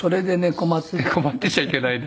困って困ってちゃいけないな。